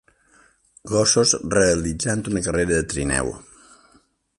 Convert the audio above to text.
Gossos realitzant una carrera de trineu.